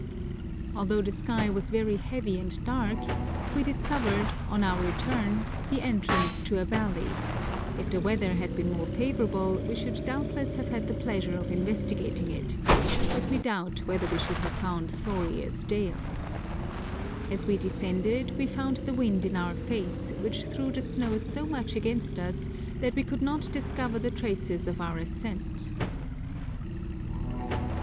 " Although the sky was very heavy and dark, we discovered, on our return, the entrance to a valley ; if the weather had been more favourable we should doubtless have had the pleasure of investigating it ; but we doubt whether we should have found Thorir's dale. As we descended we found the wind in our face, which threw the snow so much against us that we could not discover the traces of our ascent."